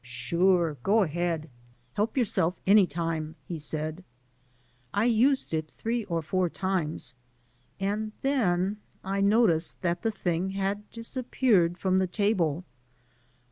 " Sure. Go ahead. Help yourself, any time, he said. I used it three or four times, and then I noticed that the thing had disappeared from the table.